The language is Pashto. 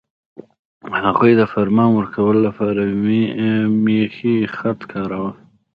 هغوی د فرمان ورکولو لپاره میخي خط کاراوه.